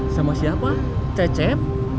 sama siapa cecep